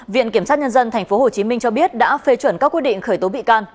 viện kiểm sát nhân dân tp hcm cho biết đã phê chuẩn các quyết định khởi tố bị can